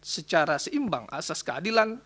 secara seimbang asas keadilan